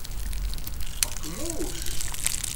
Ak mūžs!